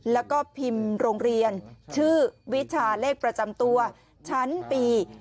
แล้วก็พิมพ์โรงเรียนชื่อวิชาเลขประจำตัวชั้นปี